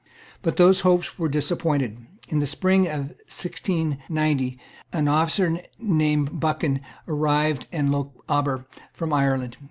But those hopes were disappointed. In the spring of 1690 an officer named Buchan arrived in Lochaber from Ireland.